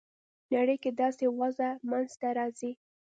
نړۍ کې داسې وضع منځته راسي.